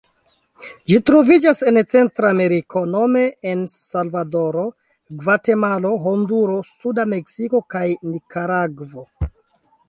Ĝi troviĝas en Centrameriko nome en Salvadoro, Gvatemalo, Honduro, suda Meksiko kaj Nikaragvo.